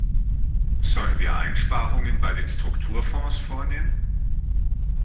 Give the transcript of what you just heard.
Sollen wir Einsparungen bei den Strukturfonds vornehmen?